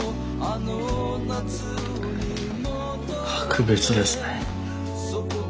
格別ですね。